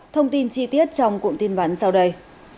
thông tin chi tiết trong cuộn tin vấn sau đây